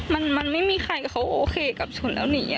มันไม่มีใครเขาโอเคกับชนแล้วหนี